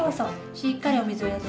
しっかりお水をやって。